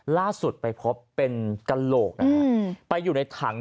ล่าสุดไปเพราะเป็นกะโหลกไปอยู่ในถัง